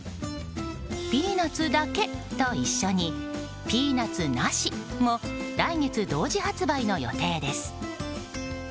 ピーナツだけと一緒にピーナツなしも来月同時発売の予定です。